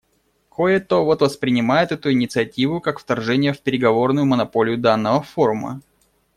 Кое-то вот воспринимает эту инициативу как вторжение в переговорную монополию данного форума.